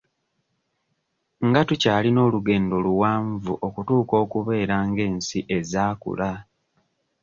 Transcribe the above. Nga tukyalina olugendo luwanvu okutuuka okubeera ng'ensi ezaakula?